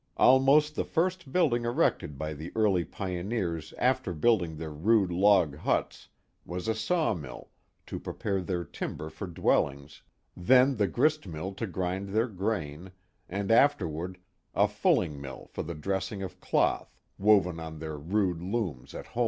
Almost the first building erected by the early pioneers after building their rude log huts was a sawmill to prepare their timber for dwellings, then the grist mill to grind their grain, and afterward a fulling mill for the dressing of cloth, woven on their rude looms at home.